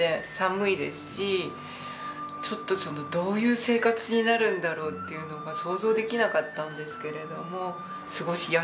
ちょっとそのどういう生活になるんだろうっていうのが想像できなかったんですけれども過ごしやすいです。